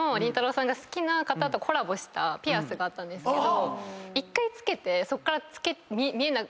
さんが好きな方とコラボしたピアスがあったんですけど。